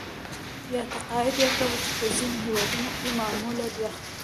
یا تقاعد ورکړه چې په ځینو هېوادونو کې معموله ده